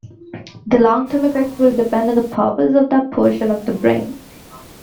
The long-term effects will depend on the purpose of that portion of the brain.